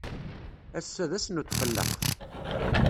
Ass-a d ass n utqelleq.